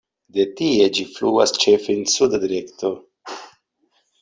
De tie ĝi fluas ĉefe en suda direkto.